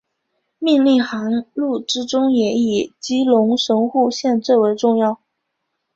命令航路之中也以基隆神户线最为重要。